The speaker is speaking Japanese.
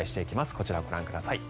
こちらをご覧ください。